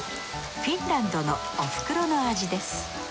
フィンランドのおふくろの味です。